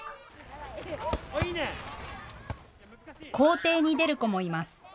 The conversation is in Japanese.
校庭に出る子もいます。